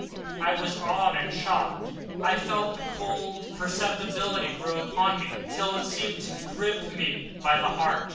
I was awed and shocked, and felt the cold perceptibly grow upon me till it seemed to grip me by the heart.